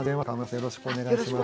よろしくお願いします。